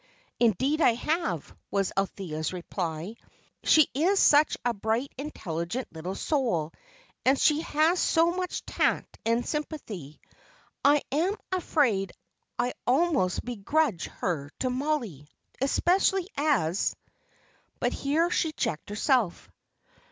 "Indeed, I have," was Althea's reply; "she is such a bright, intelligent little soul, and she has so much tact and sympathy. I am afraid I almost begrudge her to Mollie, especially as " But here she checked herself.